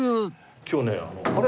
今日ねあの。